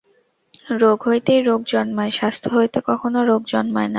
রোগ হইতেই রোগ জন্মায়, স্বাস্থ্য হইতে কখনও রোগ জন্মায় না।